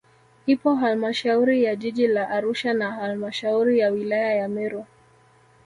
Ipo halmashauri ya jiji la Arusha na halmashauri ya wilaya ya Meru